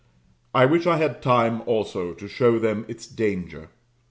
I wish I had time also to show them its danger.